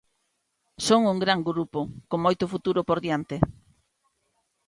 Son un gran grupo, con moito futuro por diante.